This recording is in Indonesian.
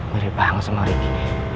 berih banget sama ricky